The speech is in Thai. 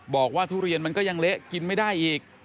ทุเรียนมันก็ยังเละกินไม่ได้อีก